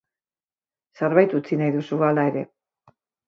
Zerbait utzi nahi duzu, hala ere.